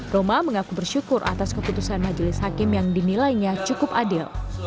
roma mengaku bersyukur atas keputusan majelis hakim yang dinilainya cukup adil